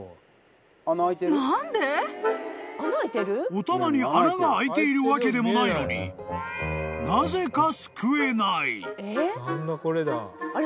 ［おたまに穴が開いているわけでもないのになぜか］